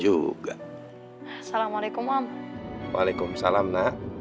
yang belum mikir k outbreak bae k vergessen